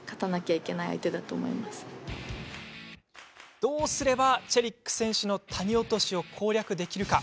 どうすればチェリック選手の谷落としを攻略できるか。